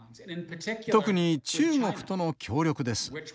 特に中国との協力です。